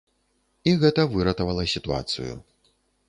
І гэта выратавала сітуацыю.